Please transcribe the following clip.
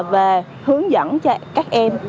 về hướng dẫn cho các em